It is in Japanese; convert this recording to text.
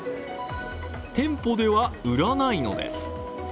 店舗では売らないのです。